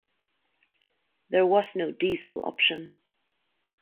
There was no diesel option.